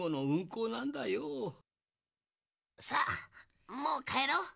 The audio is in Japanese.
さあもう帰ろう。